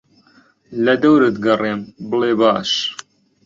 لەدەورت گەڕێم بڵێ باش